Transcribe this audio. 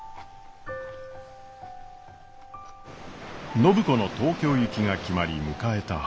暢子の東京行きが決まり迎えた春。